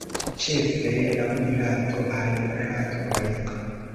Ĉefe, laŭ rilato al ratoj.